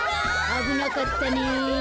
あぶなかったね。